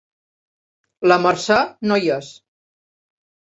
La Mercè no hi és.